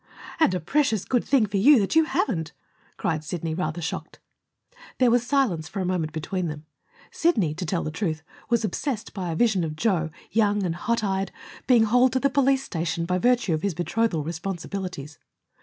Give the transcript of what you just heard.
"And a precious good thing for you that you haven't!" cried Sidney, rather shocked. There was silence for a moment between them. Sidney, to tell the truth, was obsessed by a vision of Joe, young and hot eyed, being haled to the police station by virtue of his betrothal responsibilities.